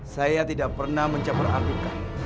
saya tidak pernah mencapai akurkan